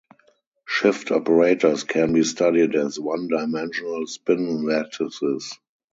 Shift operators can be studied as one-dimensional spin lattices.